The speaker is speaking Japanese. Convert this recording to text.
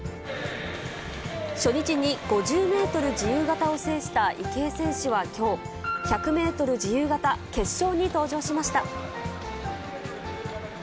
初日に５０メートル自由形を制した池江選手はきょう、１００メートル自由形決勝に登場しました。